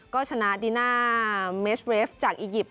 ก็ชนะดีน่าเมสเรฟจากอียิปต